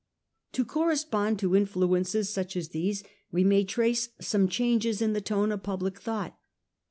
To correspond to influences such as these we may trace some changes in the tone of public thought.